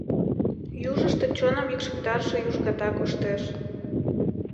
Южышто чоным йӱкшыктарыше южгата коштеш.